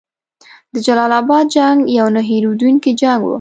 د جلال اباد جنګ یو نه هیریدونکی جنګ وو.